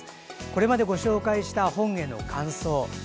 これまでご紹介した本への感想